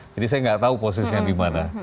jadi saya nggak tahu posisinya di mana